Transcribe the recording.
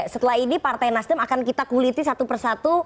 setelah ini partai nasdem akan kita kuliti satu persatu